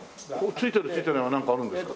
ついてるついてないはなんかあるんですか？